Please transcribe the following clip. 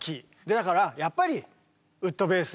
だからやっぱりウッドベース。